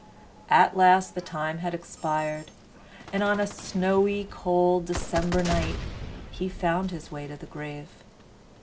At last the time had expired, and on a snowy, cold December night he found his way to the grave.